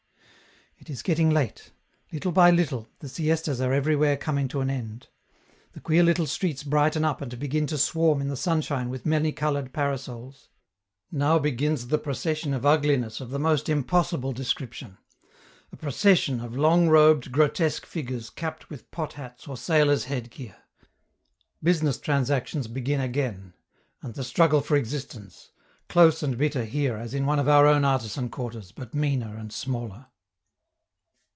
It is getting late; little by little, the siestas are everywhere coming to an end; the queer little streets brighten up and begin to swarm in the sunshine with manycolored parasols. Now begins the procession of ugliness of the most impossible description a procession of long robed, grotesque figures capped with pot hats or sailors' headgear. Business transactions begin again, and the struggle for existence, close and bitter here as in one of our own artisan quarters, but meaner and smaller.